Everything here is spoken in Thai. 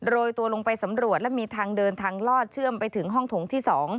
โดยตัวลงไปสำรวจและมีทางเดินทางลอดเชื่อมไปถึงห้องถงที่๒